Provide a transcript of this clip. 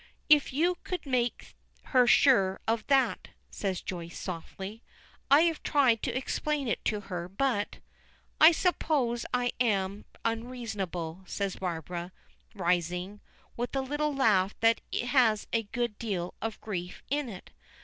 "If you could make her sure of that," says Joyce, softly. "I have tried to explain it to her, but " "I suppose I am unreasonable," says Barbara, rising, with a little laugh that has a good deal of grief in it.